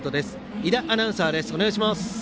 伊田アナウンサーです。